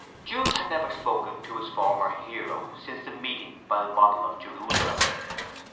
Jude had never spoken to his former hero since the meeting by the model of Jerusalem.